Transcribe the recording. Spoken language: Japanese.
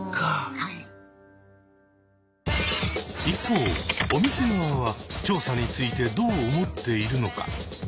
一方お店側は調査についてどう思っているのか。